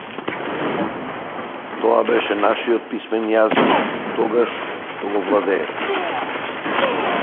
Тоа беше нашиот писмен јазик, тогаш што го владеевме.